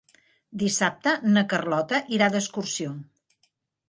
Dissabte na Carlota irà d'excursió.